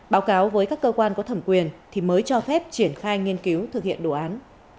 báo cáo với các cơ quan có thẩm quyền thì mới cho phép triển khai nghiên cứu thực hiện đồ án